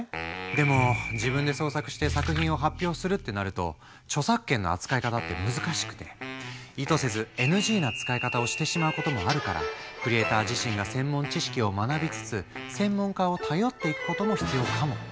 でも自分で創作して作品を発表するってなると著作権の扱い方って難しくて意図せずＮＧな使い方をしてしまうこともあるからクリエイター自身が専門知識を学びつつ専門家を頼っていくことも必要かも。